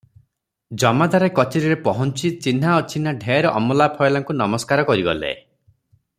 ଜମାଦାରେ କଚେରିରେ ପହୁଞ୍ଚି ଚିହ୍ନା ଅଚିହ୍ନା ଢେର ଅମଲା ଫଏଲାଙ୍କୁ ନମସ୍କାର କରିଗଲେ ।